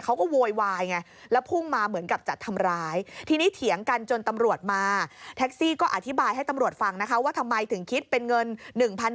เขาก็เลยถามตะโกนถามก็จะหนีเหรอ